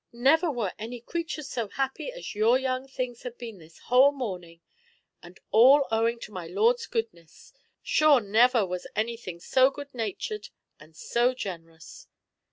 never were any creatures so happy as your little things have been this whole morning; and all owing to my lord's goodness; sure never was anything so good natured and so generous!"